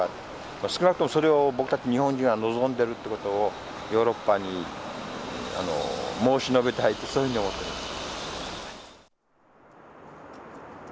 少なくともそれを僕たち日本人は望んでるってことをヨーロッパに申し述べたいってそういうふうに思ってます。